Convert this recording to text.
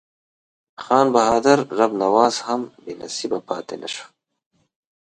خان بهادر رب نواز هم بې نصیبه پاته نه شو.